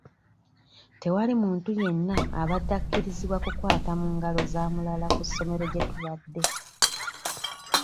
Tewali muntu yenna abadde akkirizibwa kukwata mu ngalo za mulala ku ssomero gye tubadde.